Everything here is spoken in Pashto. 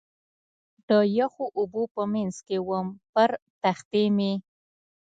د یخو اوبو په منځ کې ووم، پر تختې مې.